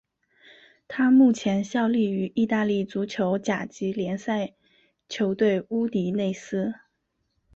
他目前效力于意大利足球甲级联赛球队乌迪内斯。